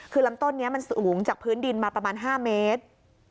คือลำต้นนี้มันสูงจากพื้นดินมาประมาณ๕เมตร